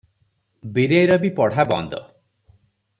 ବୀରେଇର ବି ପଢ଼ା ବନ୍ଦ ।